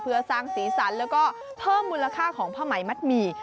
เพื่อสร้างสีสันแล้วก็เพิ่มมูลค่าของผ้าไหมมัดหมี่